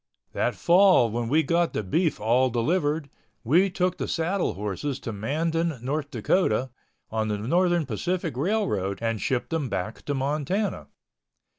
That fall when we got the beef all delivered, we took the saddle horses to Mandan, North Dakota, on the Northern Pacific Railroad and shipped them back to Montana.